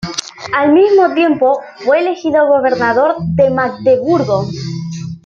Al mismo tiempo, fue elegido gobernador de Magdeburgo.